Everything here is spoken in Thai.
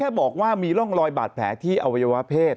เขาแค่บอกว่ามีร่องรอยปากแพ้ที่อวัยวเพศ